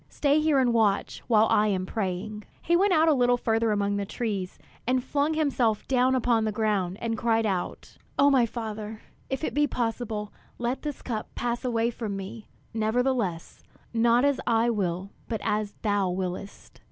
Stay here and watch while I am praying." He went a little further among the trees, and flung himself down upon the ground, and cried out: "O my Father, if it be possible, let this cup pass away from me; nevertheless, not as I will, but as thou willest!"